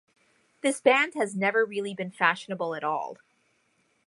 This band has never really been fashionable at all.